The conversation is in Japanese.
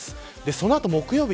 そのあと木曜日